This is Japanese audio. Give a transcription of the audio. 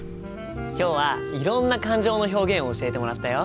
今日はいろんな感情の表現を教えてもらったよ。